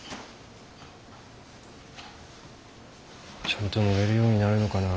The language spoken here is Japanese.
ちゃんと乗れるようになるのかな。